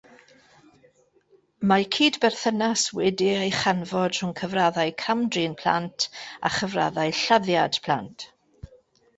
Mae cydberthynas wedi ei chanfod rhwng cyfraddau cam-drin plant a chyfraddau lladdiad plant.